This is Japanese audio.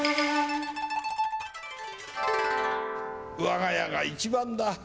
わが家が一番だ。